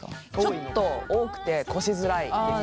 ちょっと多くてこしづらいですね。